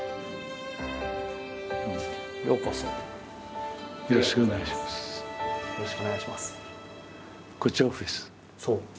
そう。